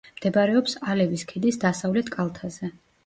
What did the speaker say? მდებარეობს ალევის ქედის დასავლეთ კალთაზე.